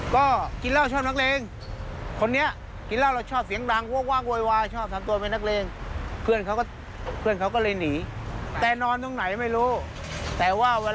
ก็หลบสลายไปเลย